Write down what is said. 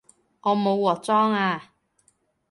我冇鑊裝吖